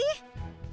ini kenapa sih